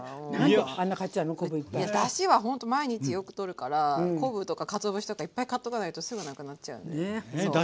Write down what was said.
だしはほんと毎日よく取るから昆布とかかつお節とかいっぱい買っとかないとすぐなくなっちゃうんでそう。